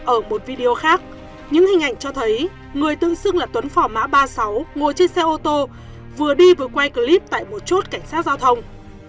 ở một video khác những hình ảnh cho thấy người tự xưng là tuấn phỏ mã ba mươi sáu ngồi trên xe ô tô vừa đi vừa quay clip tại một chốt cảnh sát giao thông